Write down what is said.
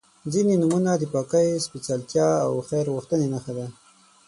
• ځینې نومونه د پاکۍ، سپېڅلتیا او خیر غوښتنې نښه ده.